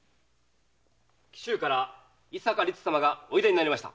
紀州から伊坂律様がおいでになりました。